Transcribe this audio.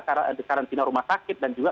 karantina rumah sakit dan juga